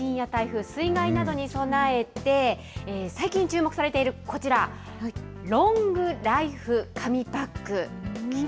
けさは地震や台風、水害などに備えて、最近注目されている、こちら、ロングライフ紙パック。